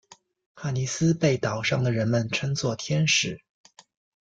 帕妮丝被岛上的人们称作天使。